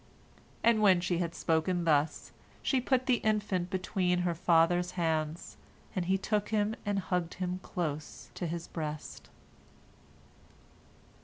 And when she had spoken thus, she put the infant between her father's hands, and he took him and hugged him close to his breast.